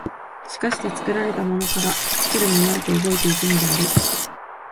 而して作られたものから作るものへと動いて行くのである。